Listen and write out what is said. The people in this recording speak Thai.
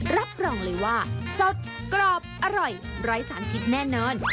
รับรองเลยว่าสดกรอบอร่อยร้อยสารพิษแน่นอน